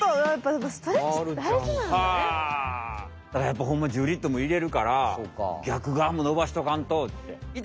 やっぱホンマに１０リットルも入れるから逆がわも伸ばしとかんとって。